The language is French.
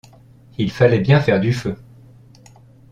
Il fallait bien faire du feu !